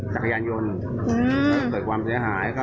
จักรยานยนต์เกิดความเสียหาย